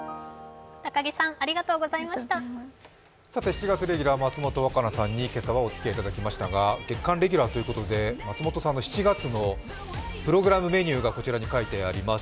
７月レギュラー松本若菜さんに今朝はおつきあいいただきましたが、月間レギュラーということで松本さんの７月のプログラムメニューがこちらに書いてあります。